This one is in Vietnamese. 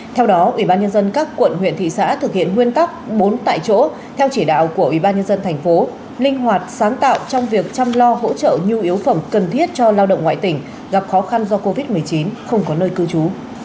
theo đó ubnd các quận huyện thị xã thực hiện nguyên tắc bốn tại chỗ theo chỉ đạo của ubnd tp linh hoạt sáng tạo trong việc chăm lo hỗ trợ nhu yếu phẩm cần thiết cho lao động ngoại tỉnh gặp khó khăn do covid một mươi chín không có nơi cư trú